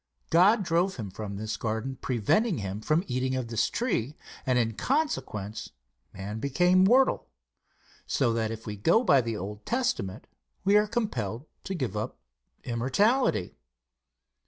God drove him from the garden, preventing him eating of this tree, and in consequence man became mortal; so that if we go by the Old Testament we are compelled to give up immortality.